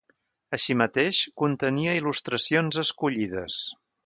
Així mateix, contenia il·lustracions escollides.